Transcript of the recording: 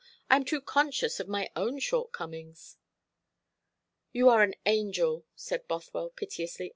I am too conscious of my own shortcomings." "You are an angel," said Bothwell piteously.